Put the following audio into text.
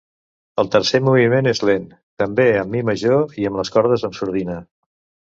El tercer moviment és lent, també en mi major i amb les cordes amb sordina.